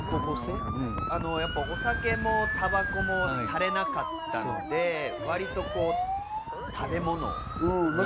お酒もたばこもされなかったので、割と食べ物。